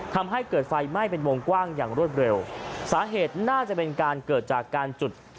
ทำให้เกิดไฟไหม้เป็นวงกว้างอย่างรวดเร็วสาเหตุน่าจะเป็นการเกิดจากการจุด